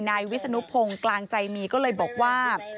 นายวิศนุพงศ์กลางใจมีก็เลยบอกว่า